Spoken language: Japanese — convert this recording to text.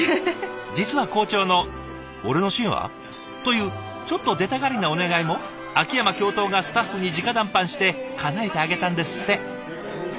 実は校長の「俺のシーンは？」というちょっと出たがりなお願いも秋山教頭がスタッフにじか談判してかなえてあげたんですって。